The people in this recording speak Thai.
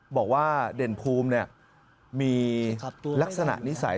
บอกว่าเด่นภูมิมีลักษณะนิสัย